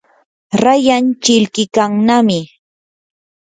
rayan chilqikannami.